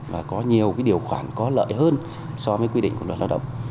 và có nhiều điều khoản có lợi hơn so với quy định của luật lao động